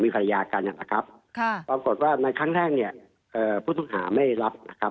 ครับค่ะวางกฎว่าคลั้งแรกเนี่ยเอ่อผู้ท่านหาไม่รับนะครับ